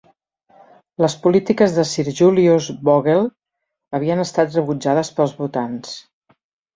Les polítiques de Sir Julius Vogel havien estat rebutjades pels votants.